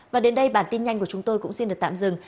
và đến đây bản tin nhanh của chúng tôi cũng xin được tạm dừng